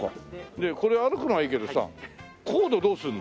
でこれ歩くのはいいけどさコードどうするの？